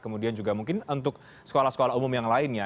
kemudian juga mungkin untuk sekolah sekolah umum yang lainnya